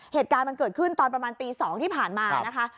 เหตุการณ์มันเกิดขึ้นตอนประมาณตี๒ที่ผ่านมานะคะ